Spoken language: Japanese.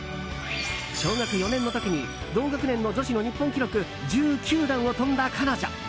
小学４年の時に同学年の女子の日本記録１９段を跳んだ彼女。